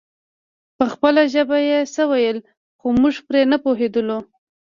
په خپله ژبه يې څه ويل خو موږ پرې نه پوهېدلو.